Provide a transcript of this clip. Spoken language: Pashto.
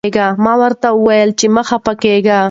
ما ورته وویل چې مه خفه کېږه.